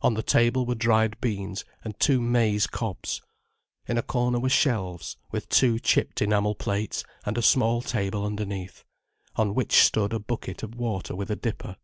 On the table were dried beans and two maize cobs. In a corner were shelves, with two chipped enamel plates, and a small table underneath, on which stood a bucket of water with a dipper.